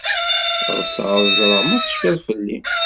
Ɣseɣ ad ẓreɣ ma tecfid fell-i.